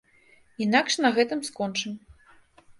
Інакш на гэтым скончым.